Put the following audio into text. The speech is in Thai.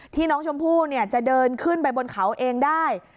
ที่น้องชมพู่จะเดินขึ้นไปบนเขาเองได้